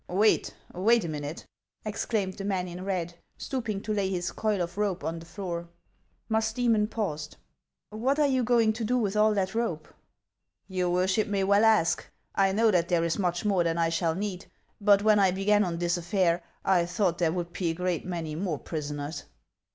" Wait ; wait a minute," exclaimed the man in red, stooping to lay his coil of rope on the floor. Musdcemon paused. " What are you going to do with all that rope ?" "Your worship may well ask. I know that there is much more than I shall need ; but when I began on this affair I thought there would be a great many more prisoners."